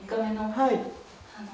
はい。